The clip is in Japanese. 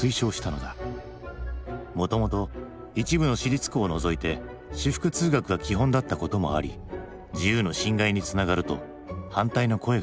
もともと一部の私立校を除いて私服通学が基本だったこともあり自由の侵害につながると反対の声が上がる。